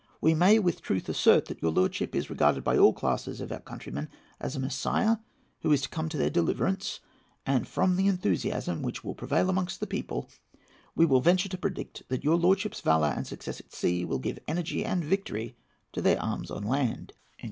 We may with truth assert that your lordship is regarded by all classes of our countrymen as a Messiah, who is to come to their deliverance; and, from the enthusiasm which will prevail amongst the people, we may venture to predict that your lordship's valour and success at sea will give energy and victory to their arms on land."